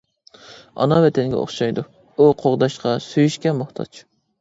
ئانا ۋەتەنگە ئوخشايدۇ، ئۇ قوغداشقا سۆيۈشكە موھتاج.